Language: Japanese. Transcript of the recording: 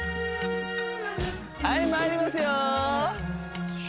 はいまいりますよ